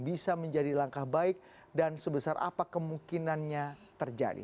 bisa menjadi langkah baik dan sebesar apa kemungkinannya terjadi